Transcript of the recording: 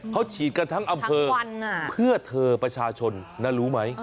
เขาฉีดกันทั้งอำเภอเพื่อเธอประชาชนน่ารู้ไหม